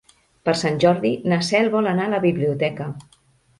Per Sant Jordi na Cel vol anar a la biblioteca.